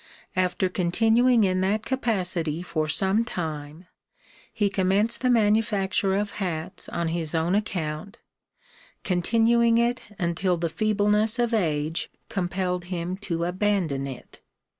After continuing in that capacity for some time he commenced the manufacture of hats on his own account, continuing it until the feebleness of age compelled him to abandon it.